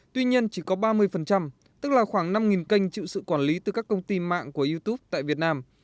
tuy nhiên chỉ có ba mươi tức là khoảng năm kênh chịu sự quản lý từ các công ty mạng của youtube tại việt nam